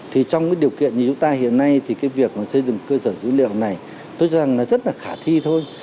thì trong cái điều kiện như chúng ta hiện nay thì cái việc mà xây dựng cơ sở dữ liệu này tôi cho rằng là rất là khả thi thôi